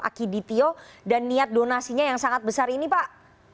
akiditio dan niat donasinya yang sangat besar ini pak